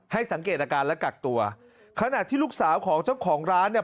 สังเกตอาการและกักตัวขณะที่ลูกสาวของเจ้าของร้านเนี่ย